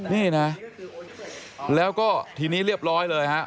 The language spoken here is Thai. นี่นะแล้วก็ทีนี้เรียบร้อยเลยฮะ